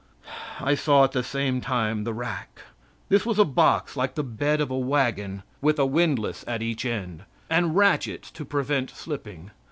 I saw at the same time the rack. This was a box like the bed of a wagon, with a windlass at each end, and ratchets to prevent slipping.